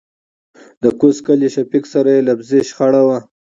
دکوز کلي شفيق سره يې لفظي شخړه وه .